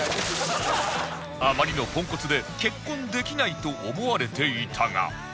あまりのポンコツで結婚できないと思われていたが